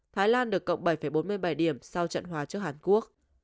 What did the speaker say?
thái lan được cộng bảy bốn mươi bảy điểm sau trận hòa trước hàn quốc